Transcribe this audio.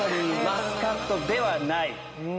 マスカットではない。